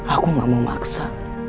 aku gak mau maksa